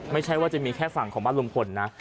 ไม่ใช่ว่าจะมีแค่ฝั่งของบ้านลุงพลนะ